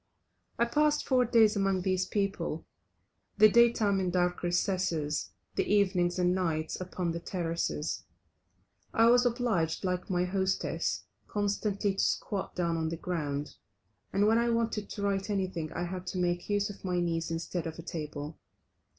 I passed four days among these people, the day time in dark recesses, the evenings and nights upon the terraces. I was obliged, like my hostess, constantly to squat down on the ground, and when I wanted to write anything I had to make use of my knees instead of a table.